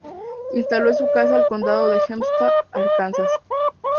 Instaló su casa en el condado de Hempstead, Arkansas.